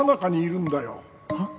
はっ？